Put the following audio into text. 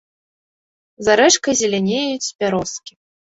За рэчкай зелянеюць бярозкі.